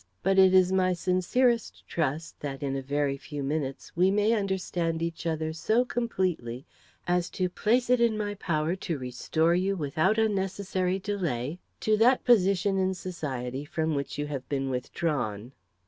But it is my sincerest trust that, in a very few minutes, we may understand each other so completely as to place it in my power to restore you, without unnecessary delay, to that position in society from which you have been withdrawn."